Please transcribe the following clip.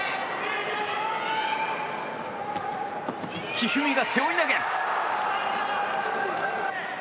一二三が背負い投げ。